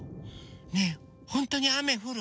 ねえほんとにあめふる？